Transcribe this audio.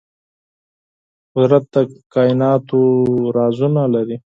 قدرت د کائناتو رازونه لري.